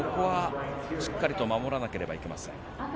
しっかりと守らなければいけません。